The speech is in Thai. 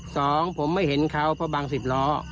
สองผมไม่เห็นเขาเพราะบางสิบล้อ